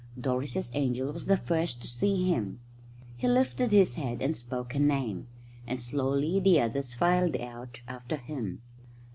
Doris's angel was the first to see him. He lifted his head and spoke a Name, and slowly the others filed out after him.